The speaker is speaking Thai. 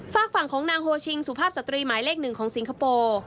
ฝากฝั่งของนางโฮชิงสุภาพสตรีหมายเลขหนึ่งของสิงคโปร์